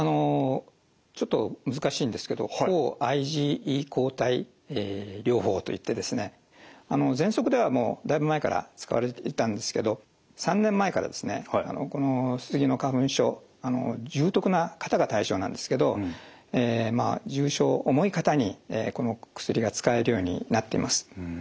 ちょっと難しいんですけどぜんそくではもうだいぶ前から使われていたんですけど３年前からですねこのスギの花粉症重篤な方が対象なんですけど重症重い方にこの薬が使えるようになっています。